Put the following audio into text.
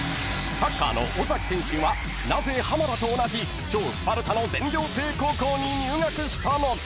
［サッカーの尾崎選手はなぜ浜田と同じ超スパルタの全寮制高校に入学したのか？］